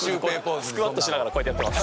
スクワットしながらこうやってやってます。